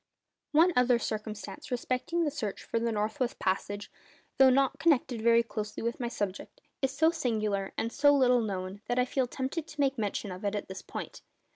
One other circumstance respecting the search for the north west passage, though not connected very closely with my subject, is so singular and so little known that I feel tempted to make mention of it at this point.